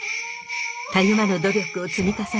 たゆまぬ努力を積み重ね